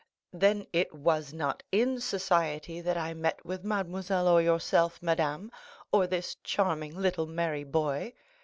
"Then it was not in society that I met with mademoiselle or yourself, madame, or this charming little merry boy.